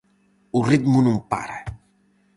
O ritmo non para!